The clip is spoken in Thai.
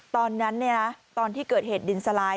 ตอนนั้นเนี่ยตอนที่เกิดเหตุดินสไลด์